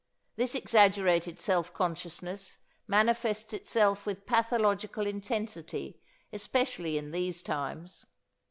This exaggerated self consciousness manifests itself with pathological intensity especially in these times.